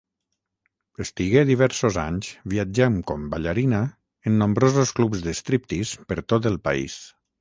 Estigué diversos anys viatjant com ballarina en nombrosos clubs de striptease per tot el país.